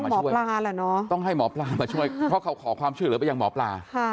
ก็ต้องให้หมอปลามาช่วยเพราะเขาขอความชื่อเหลือไปอย่างหมอปลา